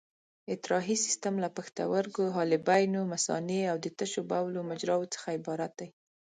اطراحي سیستم له پښتورګو، حالبینو، مثانې او د تشو بولو مجراوو څخه عبارت دی.